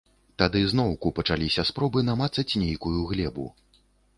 Тады зноўку пачаліся спробы намацаць нейкую глебу.